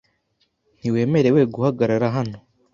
Ntiwemerewe guhagarara hano.